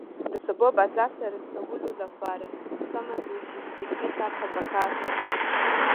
د سبو بازار ته رسولو لپاره سمه لوجستیکي طرحه پکار ده.